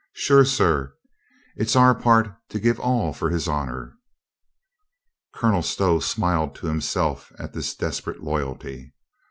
Sure, sir, it's our part to give all for his honor." Colonel Stow smiled to himself at this desperate loyalty.